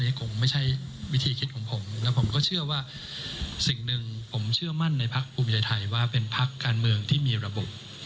คงไม่ใช่วิธีคิดของผมและผมก็เชื่อว่าสิ่งหนึ่งผมเชื่อมั่นในพักภูมิใจไทยว่าเป็นพักการเมืองที่มีระบบ